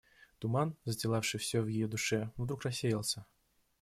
Туман, застилавший всё в ее душе, вдруг рассеялся.